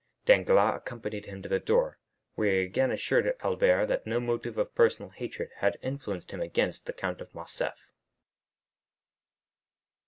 Danglars accompanied him to the door, where he again assured Albert that no motive of personal hatred had influenced him against the Count of Morcerf.